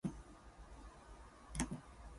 It is southeast of Miami, Oklahoma.